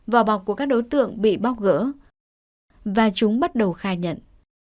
vỏ bọc của các đối tượng bị bóc gỡ và chúng bắt đầu khai nhận